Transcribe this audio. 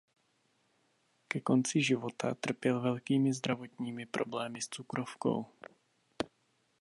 Ke konci života trpěl velkými zdravotními problémy s cukrovkou.